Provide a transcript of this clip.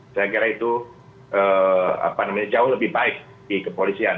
saya kira itu jauh lebih baik di kepolisian